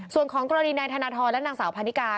ส่วนของกรณีนายธนทรและนางสาวพันนิกา